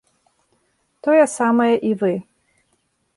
Тое самае і вы.